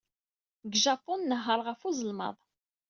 Deg Japun, nnehheṛ ɣef uzelmaḍ.